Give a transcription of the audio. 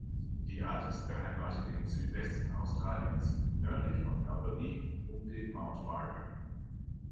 Die Art ist beheimatet im Südwesten Australiens, nördlich von Albany um den Mount Barker.